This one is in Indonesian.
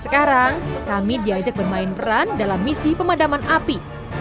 sekarang kami diajak bermain peran dalam misi pemadaman api